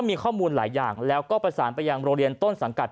มีข้อมูลหลายอย่างแล้วก็ประสานไปยังโรงเรียนต้นสังกัด